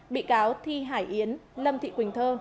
bị cáo thi hải yến lâm thị quỳnh thơ